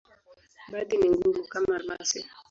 Baadhi ni ngumu, kama almasi.